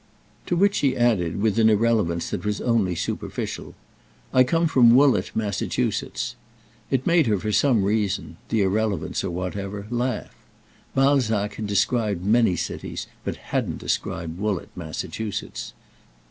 To which he added with an irrelevance that was only superficial: "I come from Woollett Massachusetts." It made her for some reason—the irrelevance or whatever—laugh. Balzac had described many cities, but hadn't described Woollett Massachusetts.